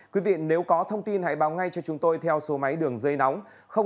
quý vị nếu có thông tin hãy báo ngay cho chúng tôi theo số máy đường dây nóng